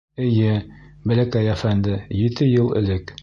— Эйе, бәләкәй әфәнде, ете йыл элек.